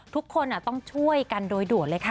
ทุกคนต้องช่วยกันโดยด่วนเลยค่ะ